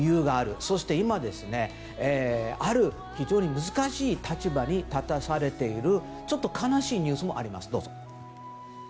そして今、ある非常に難しい立場に立たされている、ちょっと悲しいニュースもあります。